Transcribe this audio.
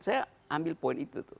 saya ambil poin itu tuh